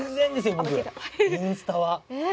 僕インスタは。